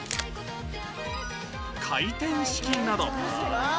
回転式など